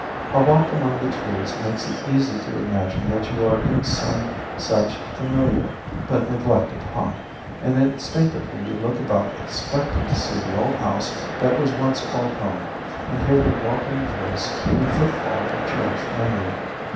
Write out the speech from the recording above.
A walk among the trees makes it easy to imagine that you are in some such familiar but neglected haunt, and instinctively you look about expecting to see the old house that was once called home and hear the welcome voice and footfall of cherished memory.